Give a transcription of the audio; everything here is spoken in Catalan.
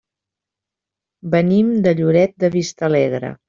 Venim de Lloret de Vistalegre.